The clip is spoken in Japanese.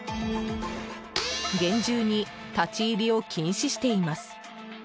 厳重に立ち入りを禁止しています。